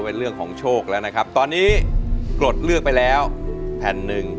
เป็นเรื่องของโชคแล้วนะครับตอนนี้กรดเลือกไปแล้วแผ่นหนึ่ง